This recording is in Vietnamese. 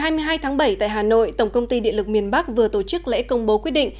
ngày hai mươi hai tháng bảy tại hà nội tổng công ty điện lực miền bắc vừa tổ chức lễ công bố quyết định